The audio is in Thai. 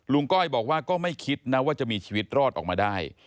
ก้อยบอกว่าก็ไม่คิดนะว่าจะมีชีวิตรอดออกมาได้